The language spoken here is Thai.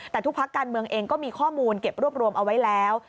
แต่ทุกพักการเมืองเองก็มีข้อมูลเก็บรวบรวมเอาไว้แล้ว